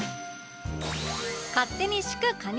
勝手に祝加入！